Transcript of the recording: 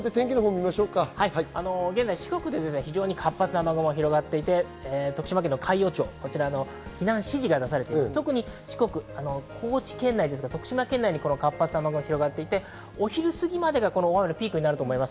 現在、四国で非常に活発な雨雲が広がっていて徳島県の海陽町、避難指示が出されていて、特に四国、高知県内、徳島県内に活発な雨雲が広がっていてお昼過ぎまで大雨のピークになりそうです。